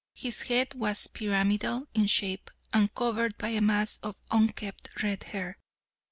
His head was pyramidal in shape, and covered by a mass of unkempt red hair.